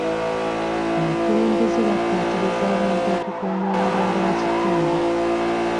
Abakulembeze bakkaatiriza abantu okukuuma emirembe mu kitundu.